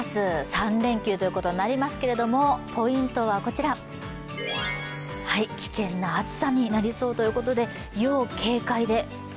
３連休ということになりますけどポイントはこちら、危険な暑さになりそうということで、要警戒です。